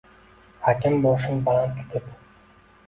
Hakim boshin baland tutib